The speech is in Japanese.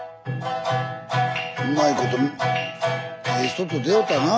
うまいことええ人と出会うたなあこれ。